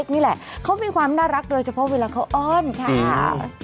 นี่แหละเขามีความน่ารักโดยเฉพาะเวลาเขาอ้อนค่ะ